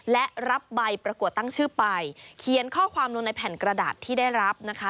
และรับใบประกวดตั้งชื่อไปเขียนข้อความลงในแผ่นกระดาษที่ได้รับนะคะ